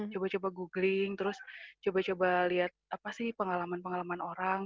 coba coba googling terus coba coba lihat apa sih pengalaman pengalaman orang